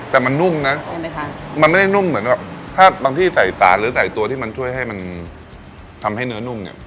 แต่มันนุ่มนะใช่ไหมคะมันไม่ได้นุ่มเหมือนแบบถ้าบางที่ใส่สารหรือใส่ตัวที่มันช่วยให้มันทำให้เนื้อนุ่มเนี่ย